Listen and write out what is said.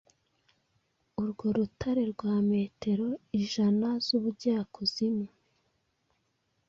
urwo rutare rwa metero ijana z’ubujyakuzimu